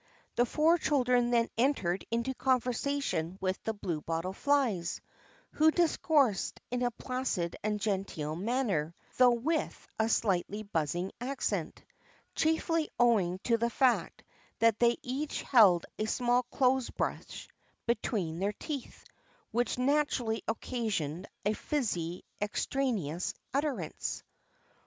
The four children then entered into conversation with the bluebottle flies, who discoursed in a placid and genteel manner, though with a slightly buzzing accent, chiefly owing to the fact that they each held a small clothes brush between their teeth, which naturally occasioned a fizzy, extraneous utterance.